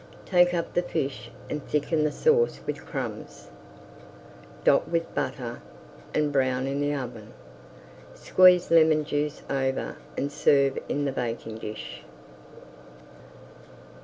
Take up the fish and thicken the sauce with crumbs, dot with butter, and brown in the oven. Squeeze lemon juice over and serve in the baking dish.